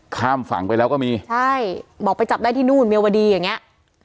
ข้ามฝั่งไปแล้วก็มีใช่บอกไปจับได้ที่นู่นเมียวดีอย่างเงี้ย